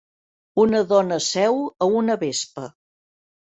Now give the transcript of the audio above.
Una dona seu a una vespa.